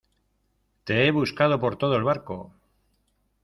te he buscado por todo el barco.